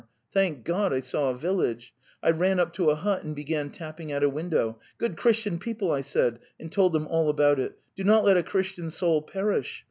Thank God I saw a village. I ran up to a hut and began tapping at a window. 'Good Christian people,' I said, and told them all about it, 'do not let a 'Christian soul perish.